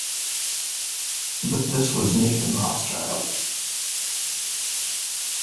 But this was Nathan Rothschild.